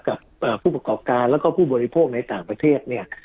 กับผู้ประกอบการแล้วก็ผู้บริโภคในต่างประเทศเนี่ย